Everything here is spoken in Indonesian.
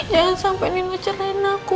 jangan sampai nino cerain aku